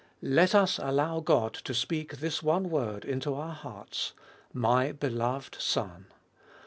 Let us allow God to speak this one word into our hearts— My beloved Son.